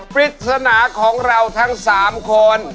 ปริศนาของเราทั้ง๓คน